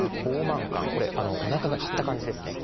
これおなかが張った感じですね。